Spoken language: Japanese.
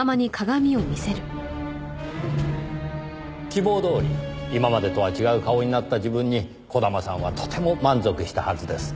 希望どおり今までとは違う顔になった自分に児玉さんはとても満足したはずです。